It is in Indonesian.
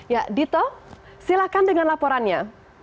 ya dito silahkan dengan laporannya